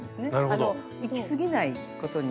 あのいきすぎないことに。